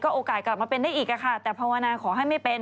โอกาสกลับมาเป็นได้อีกค่ะแต่ภาวนาขอให้ไม่เป็น